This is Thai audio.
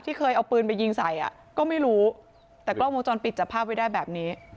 เคยเอาปืนไปยิงใส่อ่ะก็ไม่รู้แต่กล้องวงจรปิดจับภาพไว้ได้แบบนี้